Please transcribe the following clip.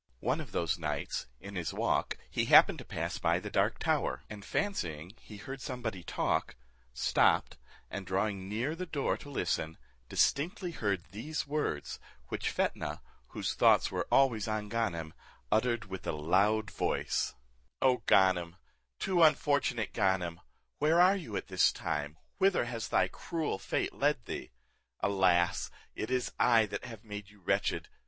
One of those nights, in his walk, he happened to pass by the dark tower, and fancying he heard somebody talk, stops, and drawing near the door to listen, distinctly heard these words, which Fetnah, whose thoughts were always on Ganem, uttered with a loud voice: "O Ganem, too unfortunate Ganem! where are you at this time, whither has thy cruel fate led thee? Alas! it is I that have made you wretched!